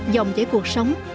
dòng giấy cuộc sống